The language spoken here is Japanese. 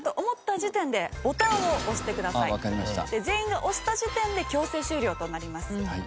全員が押した時点で強制終了となります。